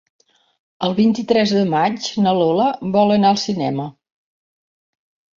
El vint-i-tres de maig na Lola vol anar al cinema.